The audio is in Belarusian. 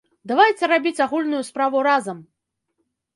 Давайце рабіць агульную справу разам!